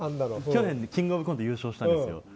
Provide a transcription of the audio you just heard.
去年、「キングオブコント」優勝したんですよ。